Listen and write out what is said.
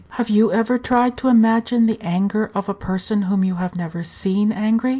Have you ever tried to imagine the anger of a person whom you have never seen angry?